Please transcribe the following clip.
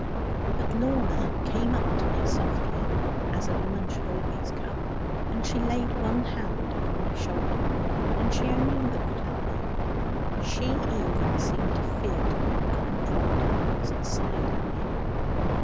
But Lorna came up to me softly, as a woman should always come; and she laid one hand upon my shoulder; and she only looked at me. She even seemed to fear to look, and dropped her eyes, and sighed at me.